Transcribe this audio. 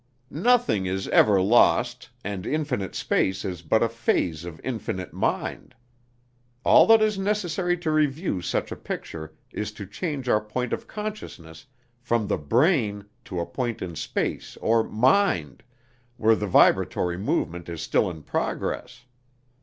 "Nothing is ever lost, and infinite space is but a phase of infinite mind. All that is necessary to review such a picture is to change our point of consciousness from the brain to a point in space or mind, where the vibratory movement is still in progress.